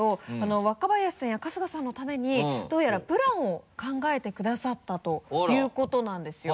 若林さんや春日さんのためにどうやらプランを考えてくださったということなんですよ。